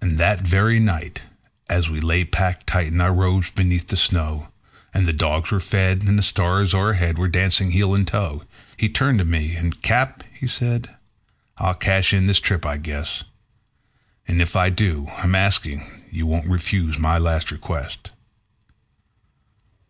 And that very night, as we lay packed tight in our robes beneath the snow, And the dogs were fed, and the stars o'erhead were dancing heel and toe, He turned to me, and "Cap," says he, "I'll cash in this trip, I guess; And if I do, I'm asking that you won't refuse my last request."